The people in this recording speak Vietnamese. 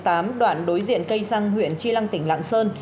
trong đoạn đối diện cây xăng huyện tri lăng tỉnh lạng sơn